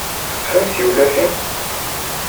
Teṭṭfem-d tiwlafin?